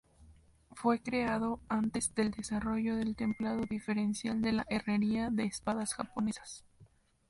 Fue creado antes del desarrollo del templado diferencial de la herrería de espadas japonesas.